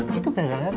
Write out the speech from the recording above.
masuk masuk masuk